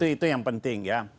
itu yang penting ya